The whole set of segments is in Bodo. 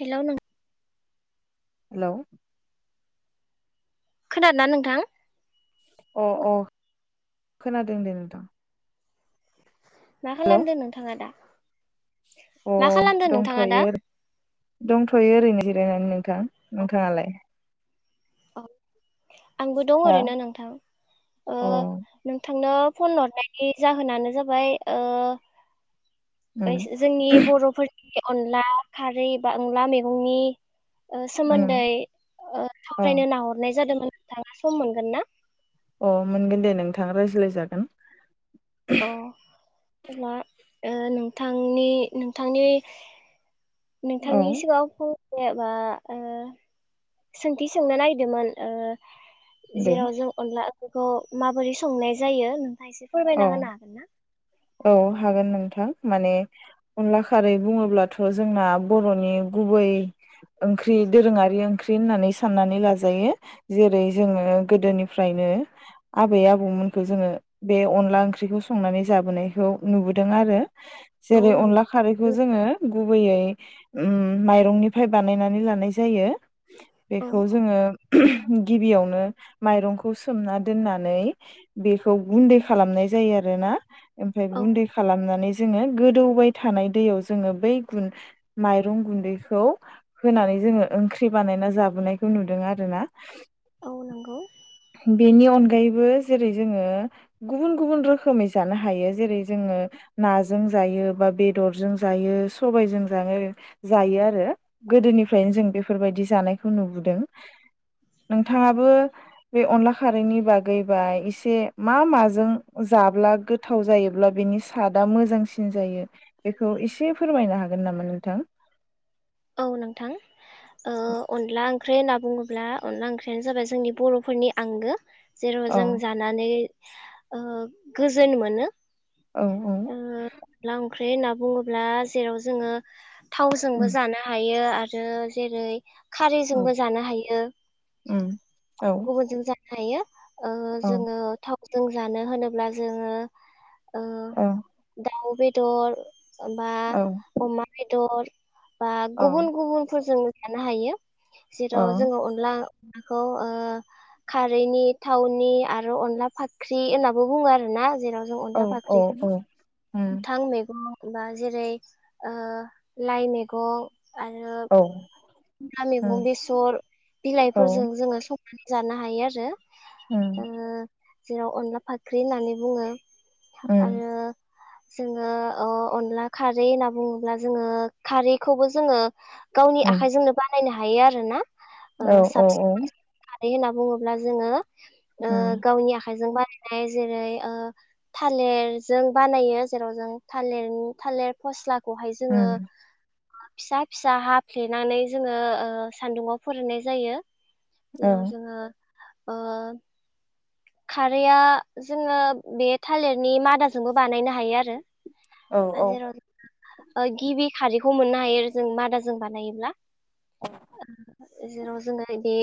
हेल' नों हेल' खोनादोंना नोंथां? अ अ खोनादों दे नोंथां। मा हेलौ खालामदो नोंथाङा दा? अ मा खालामदों दंथ'यो नोंथाङा दा दंथ'यो ओरैनो जि जेरावनो नोंथां नोंथाङालाय? अ आंबो दं हा ओरैनो नोंथां ओ अ नोंथांनाव फन हरनायनि जाहोनानो जाबाय ओ उम जोंनि बर'फोर [unintelligible] अनला खारै बा अनला मैगंनि ओ उम सोमोन्दै ओ [unintelligible] ना अ हरनाय नाय जादों नोंथाङा सम मोनगोन ना? अ मोनगोन दे नोंथां रायज्लायजागोन अ अब्ला ओ नोंथांनि नोंथांनि औ नोंथांनि सिगाङाव जेनेबा ओ सोंथि सोंनो नायदोंमोन दे जेराव जों अनला बेखौ माबोरै संनाय जायो आ एसे अ फोरमायना होनो हागोन ना? औ हागोन नोंथां माने अनला खारै बुङोब्लाथ' जोंना बर'नि गुबै ओंख्रि दोरोङारि ओंख्रि होननानै साननानै लाजायो जेरै जोङो गोदोनिफ्रायनो आबै आबौमोनखौ जोङो बे अनला ओंख्रिखौ संनानै जाबोनायखौ नुबोदों आरो औ जेरै नों अनला खारैखौ जोङो गुबैयै उम माइरंनिफ्राय बानायनानै लानाय जायो बेखौ जोङो गिबियावनो माइरंखौ सोमना दोननानै बेखौ गुन्दै खालामनाय जायो आरोना ओमफ्राय औ गुन्दै खालामनानै जोङो गोदौबाय थानाय दैयाव जोङो बै गु माइरं गुन्दैखौ होनानै जोङो ओंख्रि बानायना जाबोनायखौ नुदों आरो ना औ नंगौ बेनि अनगा गायैबो जेरै जोङो गुबुन गुबुन रोखोमै जानो हायो जेरै जोङो नाजों जायो बा बेदरजों जायो सबायजों जानो जायो आरो गोदोनिफ्रायनो जों बेफोरबायदि जानायखौ नुबोदों नोंथाङाबो बे अनला खारैनि बागैबा एसे मा माजों जाब्ला गोथाव जायोब्ला बेनि सादआ मोजांसिन जायो बेखौ इसे फोरमायनो हागोन नामा नोंथां? औ नोंथां ओ अनला ओं ख्रै होनना बुङोब्ला अनला ओंख्रियानो जाबाय जोंनि बर'फोरनि आंगो जेराव औ जों जानानै ओ गोजोन मोनो औ ओ लां ओंख्रि होनना बुङोब्ला जेराव जोङो थावजोंबो उम जानो हायो आरो जेरै उम खारैजोंबो जानो हायो उम औ गुबुनजों जा हायो ओ औ जोङो थाव जोंजानो होनोब्ला जोङो ओ दाउ बे दर बा औ अमा बेदर बा औ गुबुन गुबुनफोरजों साननो हायो जेराव औ जोंङो अनला नाखौ ओ खारैनि थावनि आरो अनला फाख्रि होनाबो बुङो आरो ना जेराव जों औ अनला औ फाख्रिखौ औ उम गोथां मैगं बा जेरै आ लाइमे गं आरो औ ना मैगं उम बेसर औ बिलाइफोरजों जोंङो स जानो हायो आरो ओ उम जेराव अनला फाख्रि होननानै बुंङो। उम आरो जोंङो अ अनला खारै होनना बुंङोब्ला जोंङो। खारैखौबो जोंङो गावनि उम आखाइजोंनो बानायनो हा हायो आरोना औ औ औ आय होनना बुंङोब्ला जोंङो आ उम गावनि आखाइजों बार जेरै आ थालिरजों बानायो जेराव जों थालिर थालिर फस्ला खौहाय जोंङो आ उम फिसा फिसा हाफ्लेनानै जोंङो आ सान्दुंङाव फोराननाय जायो। जेराव जोंङो। ओ। खारैआ जोंङो बे थालिरनि मादाजोंबो बानायनो हायो आरो। औ औ हाजेराव आ गिबि खारैखौ मोननो हायो आरो जों मादाजों बानायोब्ला। ओ। जेराव जोंङो बे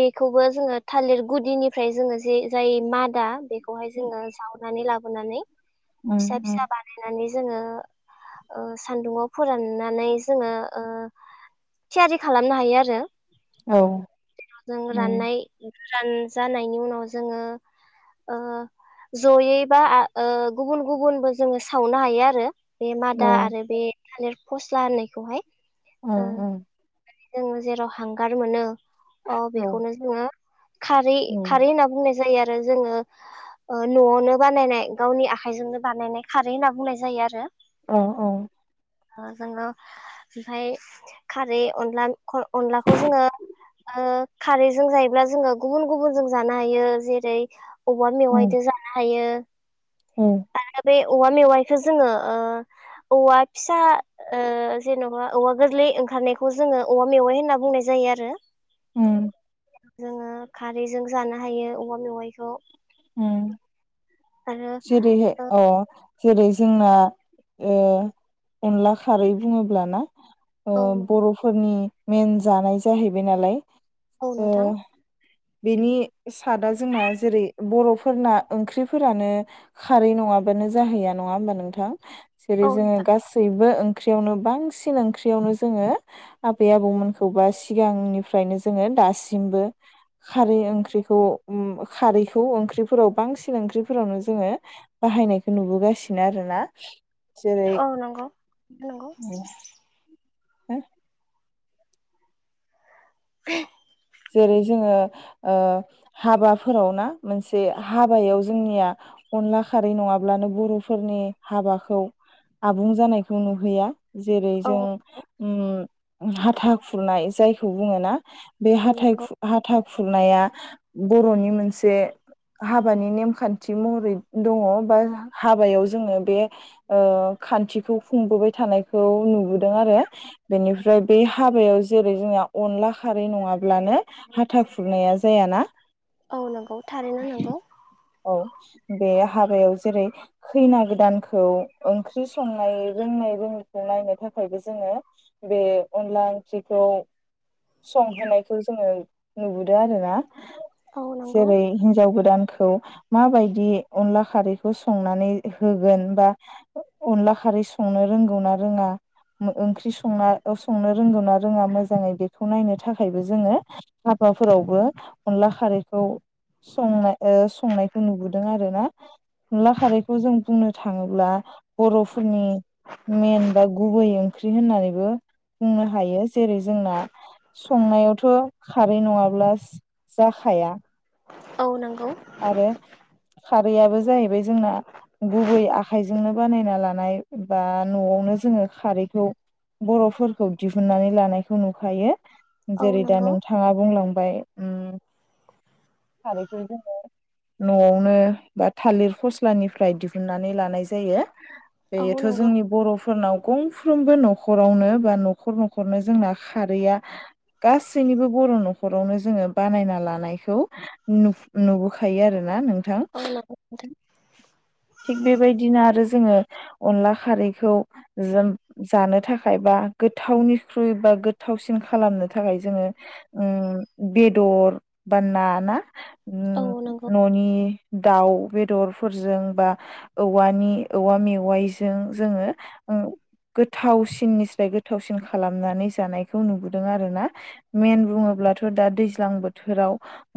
बेखौबो जोंङो थालिर गुदिनिफ्राय जोंङो जि जाय मादा बे खौहाय जोंङो जावनानै ला बोननानै। उम फिसा उम फिसा बानायनानै जोंङो आ सानदुंङाव फोराननानै जोंङो आ थियारि खालामनो हायो आरो। औ जों उम राननाय। रान जानायनि उनाव जोङो ओ जयै बा आ ओ गुबुन गुबुनबो जोङो सावनो हायो। बे मादा औ आरो बे थालिर फस्ला होननायखौहाय‌ ओ ओ। जोङो जेराव हांगार मोनो। अ बेखौनो जोङो खारै उम खारै होनना बुंनाय जायो आ रो जोङो ओ नआवनो बानायनाय गावनि आखाइजोंनो बानायनाय खारै होनना बुंनाय जायो आरो। औ औ‌ ओ जोङो ओमफाय खारै अनला ख अनलाखौ जोङो ओ खारैजों जायोब्ला जोङो गुबुन गुबुन जो जानो हायो जेरै औवा मेवायजों जानो हायो‌ औ। बे औवा मेंनायखौ जोङो ओ औवा फिसा ओ जेनबा औवा गोरलै ओंखारनाय खौ जोङो औवा मेवाइ होनना बुंनाय जायो आरो। उम। जोङो खारैजों जानो हायो औवा मेवाइखौ उम्म। आरो जेरैहाय अ जेरै जोंना। ए अनला खारै बुङोब्लाना? अ ओ औ बरफोरनि मेन जानाय जाहैबाय नालाय। औ ओ नोंथां। बेनि सादआ जोंना जेरै बर'फोरना ओंख्रिफोरानो खारै नङाबानो जाहैया नङा होमबा नोंथां? जेरै औ जोङो नोंथां गासै बो ओंख्रियावनो बांसिन ओंख्रियावनो जोङो आबै आबौमोनखौ बा सिगांनिफ्रायनो जोङो दासिमबो खारै ओंख्रिखौ ओ खारै खौ ओंख्रिफोराव बांसिन ओंख्रिफोरावनो जोङो बाहायनायखौ नुबोगासिनो आरो ना। औ नंगौ नंगौ। [unintelligible] [inaudible] जेरै जोङो ओ हाबाफोराव ना? मोनसे हाबायाव जोंनिया अनला खारै नङाब्लानो बरफोरनि हाबाखौ आबुं जानायखौ नुहैया। जेरै औ जों नंगौ उम हाथा खुरनाय जायखौ बुङो ना? बे औ हाथाय नंगौ खु हाथा खुरनाया बरनि मोनसे हाबानि नेमखान्थि महरै दङ बा हाबायाव जोङो बे ओ खान्थिखौ खुंबोबाय थानायखौ नुबोदों आरो बेनिफ्राय बे हाबायाव जेरै जोंना अनला खा खारै नङाब्लानो हाथा खुरनाया जायाना? औ नंगौ थारैनो नंगौ। औ बे हाबायाव जेरै खैना गोदानखौ ओंख्रि संनाय रोंनाय रोङिखौ नायनो थाखायबो जोङो बे अनला ओंख्रिखौ संहोनायखौ जोङो नुबोदो आरो ना। औ नंगौ जेरै हिनजाव गोदान खौ माबायदि अनला खारैखौ संनानै होगोन बा अनला खारै संनो रोंगौ ना रोङा, ओंख्रि संना संनो रोंगौ ना रोङा मोजाङै बे खौ नायनो थाखायबो जोङो हाबाफोरावबो अनला खारैखौ संनाय ओ संनायखौ नुबोदों आरोना। अनला खारैखौ जों बुंनो थाङोब्ला बर'फोरनि मेन बा गुबै ओंख्रि होननानैबो बुंनो हायो जेरै जोंना बे नङाब्ला जाखाया। औ नों आरो खारैआबो जाहैबाय जोंना गुबै आखाइजोंनो बानायना लानाय बा न'आवनो जोङो खारैखौ बर'फोरखौ दिहुननानै लानायखौ नुखायो। औ जेरै दा नंगौ नोंथाङा बुंलां बाय। उम खारैखौ जोङो न'आवनो बा थालिर फस्लानिफ्राय दिहुनन्नानै लानाय जायो। औ बेयोथ' नंगौ जोंनि बर'फोरनाव गंफ्रोमबो न'खरावनो बा न'खर न'खरनो जोंना खारैया गासैनिबो बर' न'खरावनो जोङो बानायना लानायखौ नुब-नुबोखा फायो आरो ना नों औ नोंथां। थिग बेबायदिनो आरो जोङो अनला खारैखौ जों जानो थाखाय बा गोथावनिख्रुइ बा गोथावसिन खालामनो थाखाय जोङो उम बेदर बा ना ना औ उम नंगौ न'नि दाउ बेदरफोरजों बा औवानि औवा मेवाइजों जोङो गोथावसिन निस्राय गोथावसिन खालामनानै जानायखौ नुबोदों आरो ना। मेन बुङोब्लाथ' दा दैज्लां बोथोराव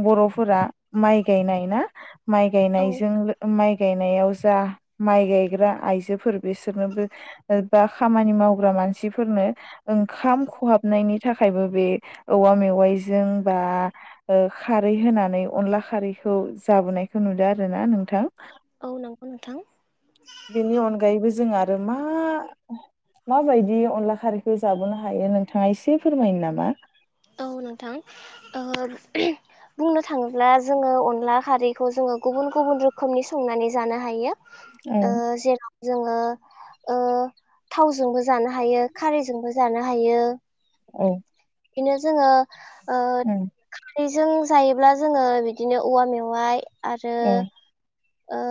बर'फोरा माइ गायनाय ना? माइ औ गायनायजों लो माइ गायनायाव जा माइ गायग्रा आइजोफोर बिसोरनोबो बा खामानि मावग्रा मानसिफोरनो ओंखाम खहाबनायनि थाखायबो बे औवा मेवाइजों बा ओ खारै होनानै अनला खारै खौ जाबोनायखौ नुदो आरोना नोंथां। औ नंगौ नोंथां। बेनि अनगायैबो जों आरो मा माबायदि अनला खारैखो जाबावनो हायो नोंथाङा एसे फोरमायनो नामा? औ नोंथां। ओ बुंनो थाङोब्ला जोङो अनला खारैखौ जोङो गुबुन गुबुन रोखोमनि संनानै जानो हायो। औ ओ जेन' जोङो ओ थावजोंबो जानो हायो खारैजोंबो जानो हायो। ओं। बिनो जोङो ओ औ खारै जों जायोब्ला जोङो बिदिनो औवा मेवाइ आरो औ ओ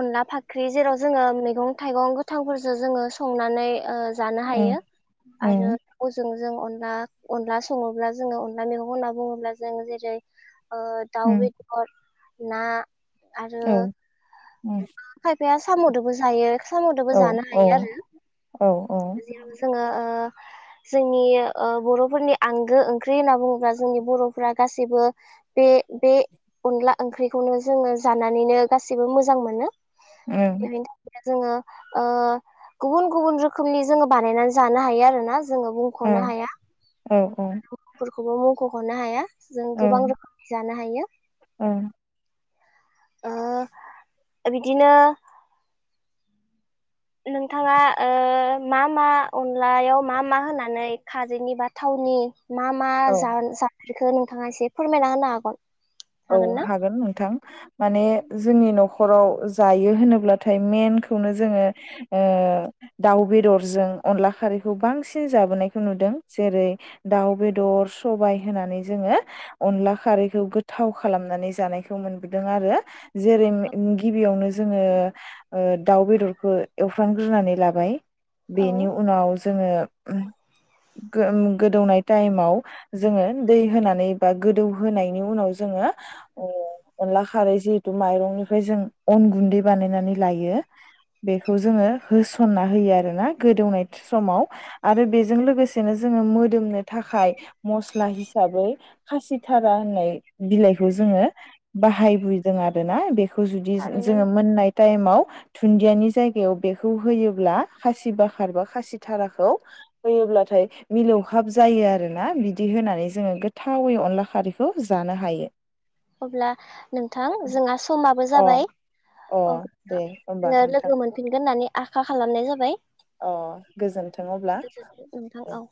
अनला फाख्रि जेराव जोङो मैगं-थाइगं गोथांफोरजो जोङो संनानै ओ जानो हायो औ औ आरो बेखौ जोङो जों अनला अनला सङोब्ला जोङो अनला मैगं होनना बुङोब्ला जों जेरै ओ औ दाउ बेदर ना आरो औ खायफाया साम'दोबो जायो साम'दोबो जानो हायो आरो औ ओं जेराव जोङो जोंनि ओ बर'फोरनि आंगो ओंख्रि होनना बुङोब्ला जोंनि बर'फोरा गाैबो बे बे अनला ओंख्रिखौनो जोङो जानानैनो गासैबो मोजां मोनो। [unintelligible] जोङो ओ गुबुन गुबुन रोखोमनि जोङो बानायनानै जानो हायो आरो ना। जोङो ओं बुंख'नो हाया औ [unintelligible] बेखौबो मुंख'ख'नो हाया। जों गोबां रोखोम जानो नो हायो। ओं। ओ बिदिनो नोंथाङा ओ मा मा अनलायाव मा मा होनानै खारैनि बा थावनि मा मा औ जा-जा बेखौ नोंथाङा एसे फोरमायना होनो हागोन? औ ना हागोन नोंथां माने जोंनि न' खराव जायो होनोब्लाथाय मेनखौनो जोङो ओ दाउ बेदरजों अनला खारैखौ बांसिन जाबोनायखौ नुदों जेरै दाउ बेदर सबाय होनानै जोङो अनला खारैखौ गोथ थाव खालामनानै जानायखौ मोनबोदों आरो जेरै गिबियावनो जोङो ओ दाउ बेदरखौ एवफ्रानग्रोनानै लाबाय औ बेनि उनाव जोंङो गोदौनाय टाइमाव जोङो दै होनानै बा गोदौ होनायनि उनाव जोङो अनला खारै जिहेथु माइरंनिफ्राय जों अन गुन्दै बानायनानै लायो बेखौ जोङो होसनना होयो आरोना गोदौनाय समाव आरो बेजों लोगोसेनो जोङो मोदोमनो थाखाय मस्ला हिसाबै खासिथारा होननाय बिलाइखौ जोङो बाहायबोदों आरो ना बे खौ जुदि थारैनो नों जोङो मोननाय टाइमाव दुन्दियानि जायगायाव बेखौ होयोब्ला खासि बाखार बा खासि थाराखौ होयोब्लाथाय मिलौहाब जायो आरोना बिदि होनानै जोङो गोथावै अनला खारैखौ जानो हायो अब्ला नोंथां जोंहा समाबो अ जाबाय अ दे अब्ला होमबा जोङो नोंथां लोगो मोनफिनगोन होननानै आखा खालामनाय जाबाय अ गोजोन्थों अब्ला गोजोनथों नोंथां दे औ